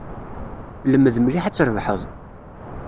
Lmed mliḥ ad trebḥeḍ.